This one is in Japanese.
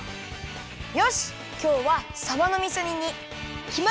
よしきょうはさばのみそ煮にきまり！